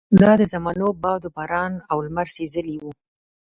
دا د زمانو باد وباران او لمر سېزلي وو.